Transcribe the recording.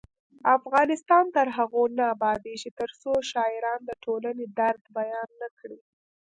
افغانستان تر هغو نه ابادیږي، ترڅو شاعران د ټولنې درد بیان نکړي.